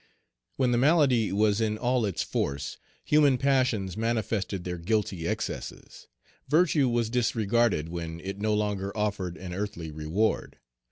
When the malady was in all its force, human passions manifested their guilty excesses. Virtue was disregarded when it no longer offered an earthly reward.